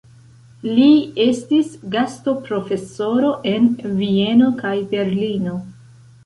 Li estis gastoprofesoro en Vieno kaj Berlino.